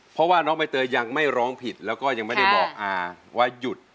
เพราะว่าน้องใบเตยยังไม่ร้องผิดแล้วก็ยังไม่ได้บอกอาว่าหยุด